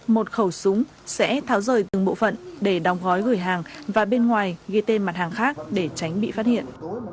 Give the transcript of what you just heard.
một khẩu súng sẽ tháo rời từng bộ phận để đóng gói gửi hàng và bên ngoài ghi tên mặt hàng khác để tránh bị phát hiện